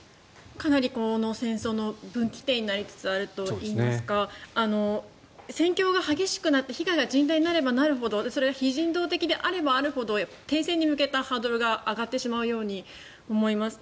かなりこの戦争の分岐点になりつつあるといいますか戦況が激しくなって被害が甚大になればなるほどそれが非人道的であればあるほど停戦に向けたハードルが上がってしまうように思います。